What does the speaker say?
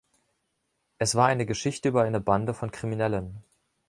Es war eine Geschichte über eine Bande von Kriminellen.